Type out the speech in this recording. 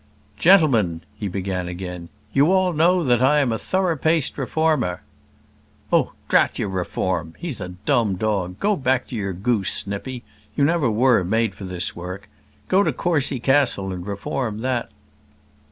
"Gentlemen," he began again "you all know that I am a thorough paced reformer " "Oh, drat your reform. He's a dumb dog. Go back to your goose, Snippy; you never were made for this work. Go to Courcy Castle and reform that."